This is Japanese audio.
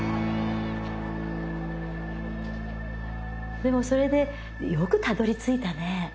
でもそれでよくたどりついたね。